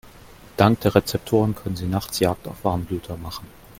Dank der Rezeptoren können sie nachts Jagd auf Warmblüter machen.